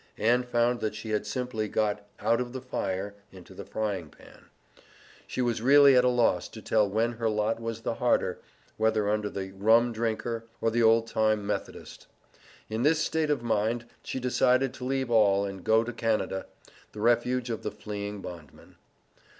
Ann found that she had simply got "out of the fire into the frying pan." She was really at a loss to tell when her lot was the harder, whether under the "rum drinker," or the old time Methodist. In this state of mind she decided to leave all and go to Canada, the refuge for the fleeing bondman.